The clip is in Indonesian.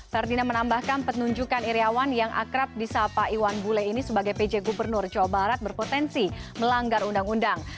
ferdinand menambahkan penunjukan iryawan yang akrab di sapa iwan bule ini sebagai pj gubernur jawa barat berpotensi melanggar undang undang